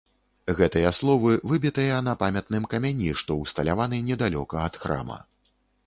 Гэтыя словы выбітыя на памятным камяні, што ўсталяваны недалёка ад храма.